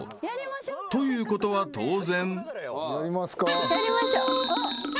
［ということは当然］